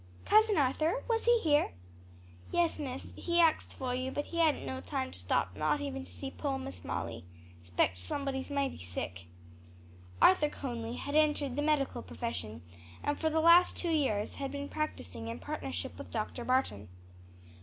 "Cousin Arthur? was he here?" "Yes, miss. He axed for you, but hadn't no time to stop, not even to see po' Miss Molly. 'Spect somebody's mighty sick." Arthur Conly had entered the medical profession, and for the last two years had been practicing in partnership with Dr. Barton.